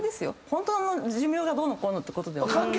本当の寿命がどうのこうのってことではなく。